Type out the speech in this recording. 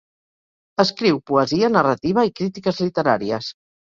Escriu poesia, narrativa i crítiques literàries.